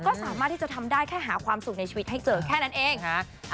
ก็สามารถที่จะทำได้แค่หาความสุขในชีวิตให้เจอแค่นั้นเองค่ะ